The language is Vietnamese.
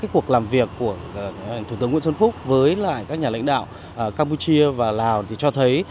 cuộc làm việc của thủ tướng nguyễn xuân phúc với lại các nhà lãnh đạo campuchia và lào cho thấy